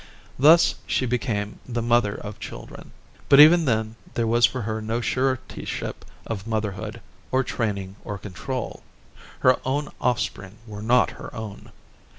Thus she became the mother of children. But even then there was for her no suretyship of motherhood, or training, or control. Her own offspring were not her own.